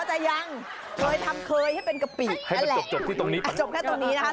ไปให้เป็นกะปิให้มันจบที่ตรงนี้จบแค่ตรงนี้นะครับ